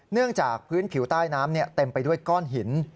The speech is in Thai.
จากพื้นผิวใต้น้ำเต็มไปด้วยก้อนหิน